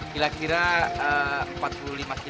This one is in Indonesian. kira kira empat puluh lima km lagi